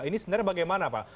ini sebenarnya bagaimana pak